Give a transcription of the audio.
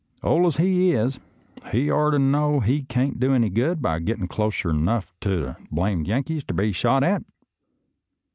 Ole as he is, he oughter know he can't do any good by gettin' close 'nough ter the blamed Yanks ter be shot at.